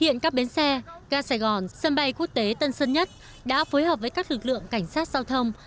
hiện các bến xe ga sài gòn sân bay quốc tế tân sơn nhất đã phối hợp với các lực lượng cảnh sát giao thông